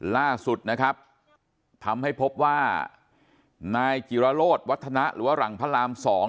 ล่าสุดนะครับทำให้พบว่านายจิรโรธวัฒนะหรือว่าหลังพระราม๒